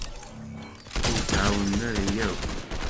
Ur t-ɛawnen ara yakk.